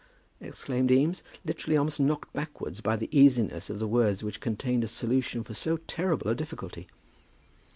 exclaimed Eames, literally almost knocked backwards by the easiness of the words which contained a solution for so terrible a difficulty.